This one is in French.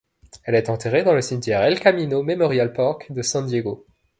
Elle est enterrée dans le Cimetière El Camino Memorial Park de San Diego.